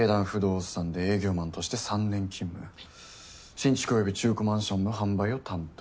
新築および中古マンションの販売を担当。